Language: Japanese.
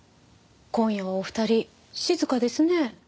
今夜はお二人静かですね。